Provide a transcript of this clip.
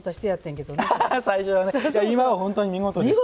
今は本当に見事でしたね。